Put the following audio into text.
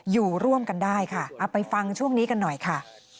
อยู่ร่วมกันได้ค่ะเอาไปฟังช่วงนี้กันหน่อยค่ะ